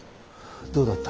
どうだった？